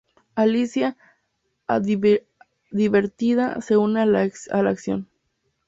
Alicia, divertida, se une a la acción.